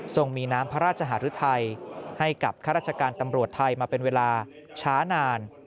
มีน้ำพระราชหารุทัยให้กับข้าราชการตำรวจไทยมาเป็นเวลาช้านาน